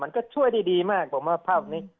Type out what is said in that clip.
มันก็ช่วยดีมากผมว่าภาพนี้